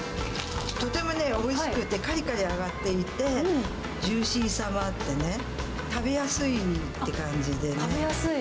とてもおいしくて、かりかり揚がっていて、ジューシーさもあってね、食べやすいって食べやすい？